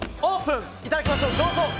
オープン！